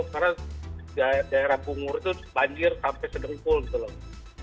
karena daerah bungur itu banjir sampai sedengkul gitu loh